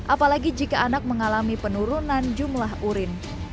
apalagi jika anak mengalami penurunan jumlah urin